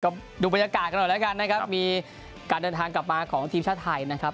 ก็ดูบรรยากาศกันหน่อยแล้วกันนะครับมีการเดินทางกลับมาของทีมชาติไทยนะครับ